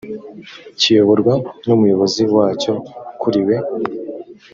kiyoborwa n umuyobozi wacyo ukuriwe